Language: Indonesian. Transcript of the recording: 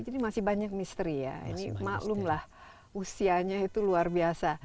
jadi masih banyak misteri ya ini maklumlah usianya itu luar biasa